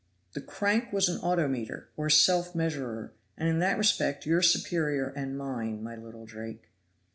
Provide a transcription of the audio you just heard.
The crank was an autometer, or self measurer, and in that respect your superior and mine, my little drake.